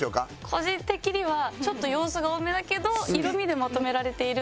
個人的にはちょっと要素が多めだけど色味でまとめられているので。